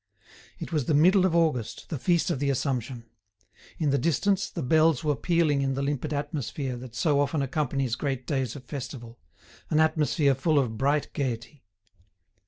It was the middle of August, the Feast of the Assumption. In the distance, the bells were pealing in the limpid atmosphere that so often accompanies great days of festival, an atmosphere full of bright gaiety.